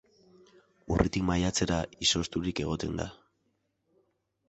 Urritik maiatzera izozturik egoten da.